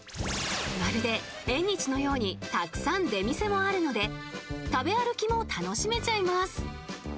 まるで縁日のようにたくさん出店もあるので食べ歩きも楽しめちゃいます。